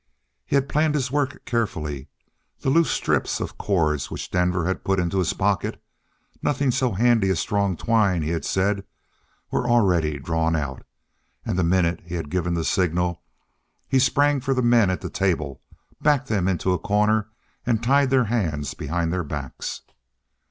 He had planned his work carefully. The loose strips of cords which Denver had put into his pocket "nothing so handy as strong twine," he had said were already drawn out. And the minute he had given the signal, he sprang for the men at the table, backed them into a corner, and tied their hands behind their backs.